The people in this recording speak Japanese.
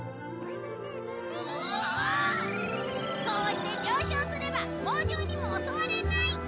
こうして上昇すれば猛獣にも襲われない。